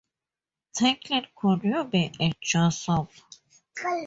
Titled Could You Be a Joe Soap?